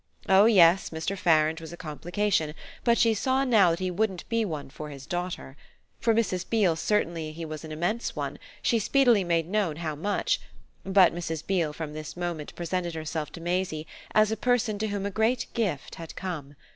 Oh yes, Mr. Farange was a complication, but she saw now that he wouldn't be one for his daughter. For Mrs. Beale certainly he was an immense one she speedily made known as much; but Mrs. Beale from this moment presented herself to Maisie as a person to whom a great gift had come.